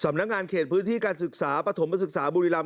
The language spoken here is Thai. นักงานเขตพื้นที่การศึกษาปฐมศึกษาบุรีรำ